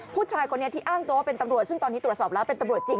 ผู้ชายคนนี้ที่อ้างตัวว่าเป็นตำรวจซึ่งตอนนี้ตรวจสอบแล้วเป็นตำรวจจริง